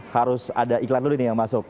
harus ada iklan dulu nih yang masuk